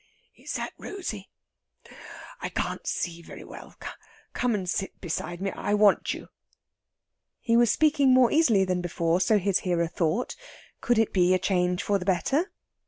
"Is that Rosey? I can't see very well. Come and sit beside me. I want you." He was speaking more easily than before, so his hearer thought. Could it be a change for the better?